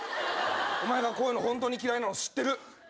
お前がこういうのホントに嫌いなの知ってる。